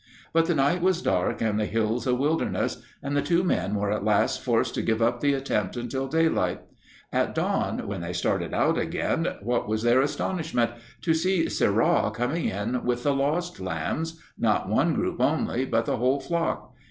But the night was dark and the hills a wilderness, and the two men were at last forced to give up the attempt until daylight. At dawn, when they started out again, what was their astonishment to see Sirrah coming in with the lost lambs not one group only, but the whole flock.